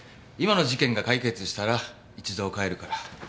今の事件が解決したら一度帰るから。